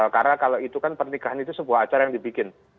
karena kalau itu kan pernikahan itu sebuah acara yang dibikin